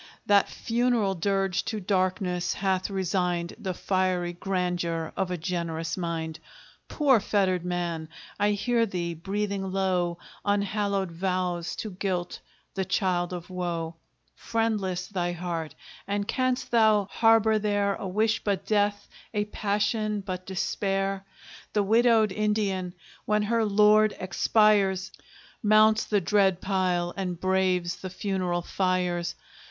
That funeral dirge to darkness hath resigned The fiery grandeur of a generous mind. Poor fettered man! I hear thee breathing low Unhallowed vows to Guilt, the child of Woe: Friendless thy heart; and canst thou harbor there A wish but death a passion but despair? The widowed Indian, when her lord expires, Mounts the dread pile, and braves the funeral fires.